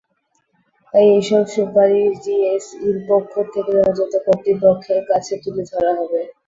তাই এসব সুপারিশ ডিএসইর পক্ষ থেকে যথাযথ কর্তৃপক্ষের কাছে তুলে ধরা হবে।